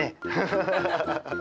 ハハハハ！